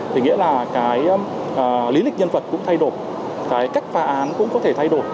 thì nghĩa là cái lý lịch nhân vật cũng thay đổi cái cách phá án cũng có thể thay đổi